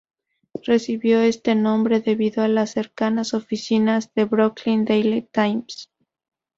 Recibió este nombre debido a las cercanas oficinas del "Brooklyn Daily Times".